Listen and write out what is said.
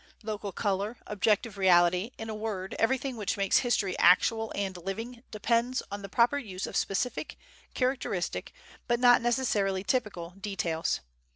Local color, objective reality, in a word, everything which makes history actual and living depends on the proper use of specific, characteristic, but not necessarily typical, details.